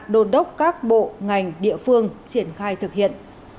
đồn đốc các bộ ngành địa phương triển khai thực hiện